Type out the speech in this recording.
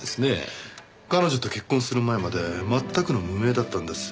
彼女と結婚する前まで全くの無名だったんです。